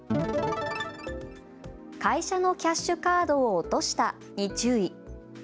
会社のキャッシュカードを落としたに注意。